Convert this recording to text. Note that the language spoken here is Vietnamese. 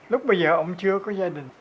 lúc bây giờ ông chưa có gia đình